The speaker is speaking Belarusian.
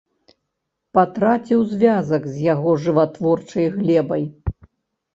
Патраціў звязак з яго жыватворчай глебай.